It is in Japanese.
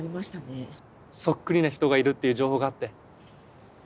そっくりな人がいるっていう情報があって。